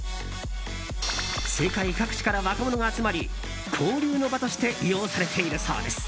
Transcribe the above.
世界各地から若者が集まり交流の場として利用されているそうです。